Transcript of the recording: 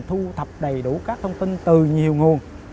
thu thập đầy đủ các thông tin từ nhiều nguồn